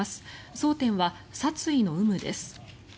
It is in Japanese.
争点は殺意の有無です。